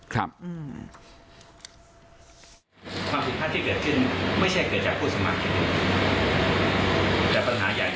ครับ